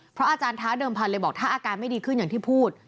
อาจารย์ท้าเดิมพันธ์เลยบอกถ้าอาการไม่ดีขึ้นอย่างที่พูด